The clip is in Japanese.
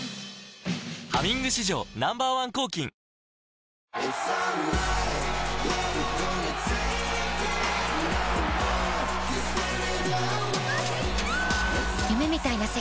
「ハミング」史上Ｎｏ．１抗菌あれこれ